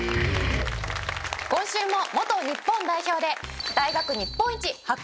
今週も元日本代表で大学日本一白